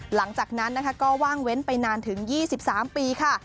หลังจากนั้นนะคะก็ว่างเว้นไปนานถึง๒๓ปีค่ะ